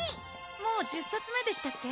もう１０冊目でしたっけ？